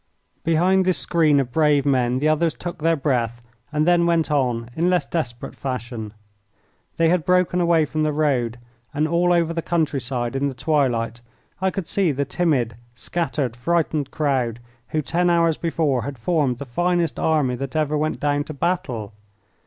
Behind this screen of brave men the others took their breath, and then went on in less desperate fashion. They had broken away from the road, and all over the countryside in the twilight I could see the timid, scattered, frightened crowd who ten hours before had formed the finest army that ever went down to battle.